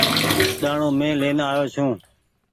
ڏآڻو مين لين آيو ڇون ۔